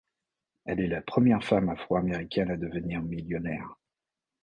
Elle est la première femme afro-américaine à devenir millionnaire.